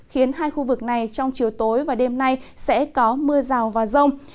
khiến hai khu vực này trong chiều tối và đêm nay sẽ có mưa rào và rông